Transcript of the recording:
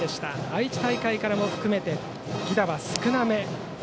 愛知大会からも含めて犠打は少なめ。